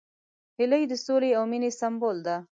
هیلۍ د سولې او مینې سمبول ده